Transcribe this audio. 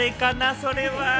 それは。